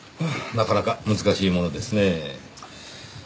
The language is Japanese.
なかなか難しいものですねぇ。